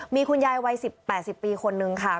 มีคุณยายวัยสิบแปดสิบปีคนนึงค่ะ